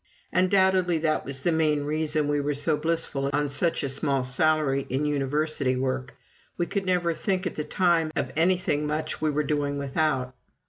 Undoubtedly that was the main reason we were so blissful on such a small salary in University work we could never think, at the time, of anything much we were doing without.